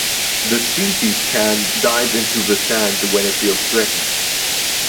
This species can dive into the sand when it feels threatened.